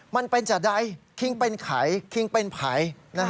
มันเป็นจัดใดคิงเป็นไขคิงเป็นไผ